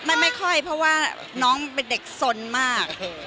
ไม่ค่อยเพราะว่าน้องเป็นเด็กสนมาก